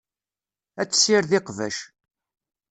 Ad tessired iqbac.